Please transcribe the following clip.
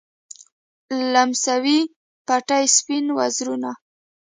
لمسوي بتې سپین وزرونه